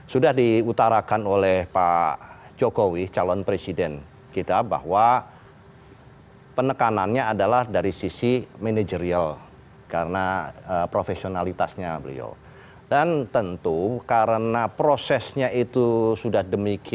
sudah diutarakan oleh pak jokowi calon presiden kita bahwa penekanannya adalah dari sisi manajerial karena profesionalitasnya beliau dan tentu karena prosesnya itu sudah demikian